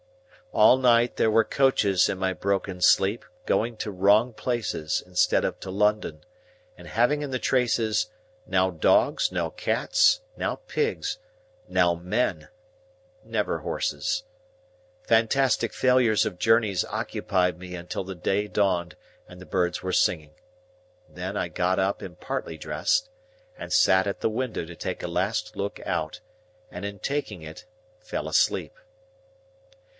All night there were coaches in my broken sleep, going to wrong places instead of to London, and having in the traces, now dogs, now cats, now pigs, now men,—never horses. Fantastic failures of journeys occupied me until the day dawned and the birds were singing. Then, I got up and partly dressed, and sat at the window to take a last look out, and in taking it fell asleep.